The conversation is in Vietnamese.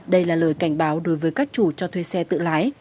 đây là lời cảnh báo đối với các chủ cho thuê xe tự lái